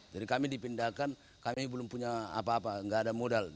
jadi kami dipindahkan kami belum punya apa apa enggak ada modal